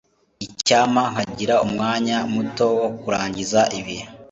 Icyampa nkagira umwanya muto wo kurangiza ibi.